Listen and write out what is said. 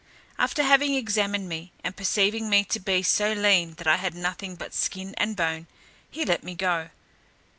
After having examined me, and perceiving me to be so lean that I had nothing but skin and bone, he let me go.